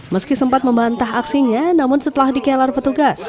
meski sempat membantah aksinya namun setelah dikelar petugas